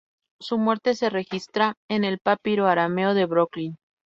Su muerte se registra en el "Papiro Arameo" de Brooklyn.